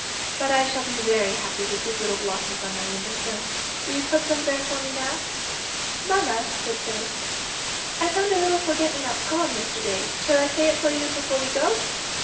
But I shall be very happy with these little blossoms on my window sill. Will you put them there for me now? "" Mamma," said Phyllis, '' I found a little forget me not poem yesterday. Shall I say it for you before we go?